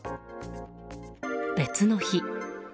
別の日。